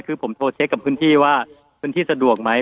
คือผมโทรเช็คกับพื้นที่ว่าพื้นที่สะดวกไหม